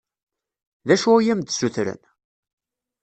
D acu i am-d-ssutren?